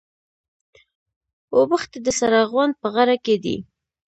اوبښتي د سره غونډ په غره کي دي.